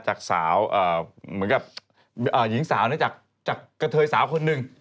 จากสาวเหมือนกับหญิงสาวจากกระเทยสาวคนหนึ่ง